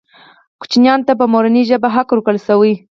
ماشومانو ته په مورنۍ ژبه حق ورکړل شوی.